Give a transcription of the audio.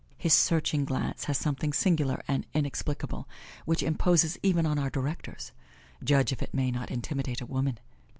His searching glance has something singular and inexplicable, which imposes even on our Directors; judge if it may not intimidate a woman.